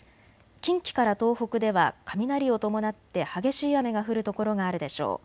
近畿から東北では雷を伴って激しい雨が降る所があるでしょう。